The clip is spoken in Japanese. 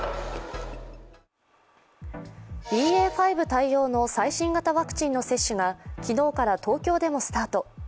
ＢＡ．５対応の最新型ワクチンの接種が昨日から東京でもスタート。